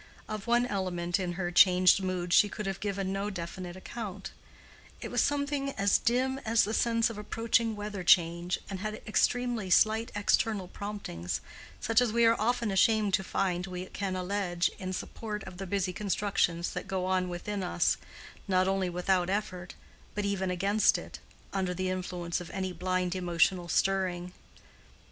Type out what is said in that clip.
Of one element in her changed mood she could have given no definite account: it was something as dim as the sense of approaching weather change, and had extremely slight external promptings, such as we are often ashamed to find all we can allege in support of the busy constructions that go on within us, not only without effort, but even against it, under the influence of any blind emotional stirring.